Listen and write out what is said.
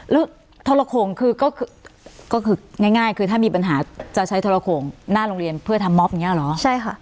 แล้วทรโขงคือก็คือง่ายคือถ้ามีปัญหาจะใช้ทรโขงหน้าโรงเรียนเพื่อทำม็อบอย่างนี้เหรอใช่ค่ะ